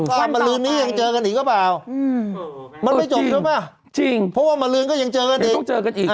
ถ้ามะเรือนนี้ยังเจอกันอีกก็เปล่ามันไม่จบใช่ไหมเพราะว่ามะเรือนก็ยังเจอกันอีก